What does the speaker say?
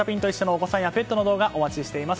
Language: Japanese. お子さんや、ペットの動画お待ちしております。